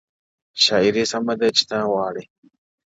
• شاعري سمه ده چي ته غواړې،